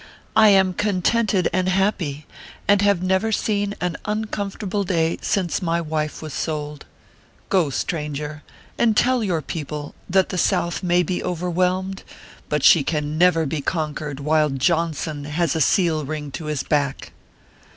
I am contented and happy, and have never seen an uncomfortable day since my wife was sold. Go, stranger, and tell your people that the South may be overwhelmed, but she can never be conquered while Johnson has a seal ring to his back."